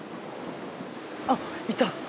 あっいた。